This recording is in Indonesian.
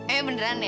eh beneran ya